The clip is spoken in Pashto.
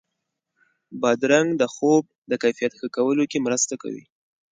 بادرنګ د خوب د کیفیت ښه کولو کې مرسته کوي.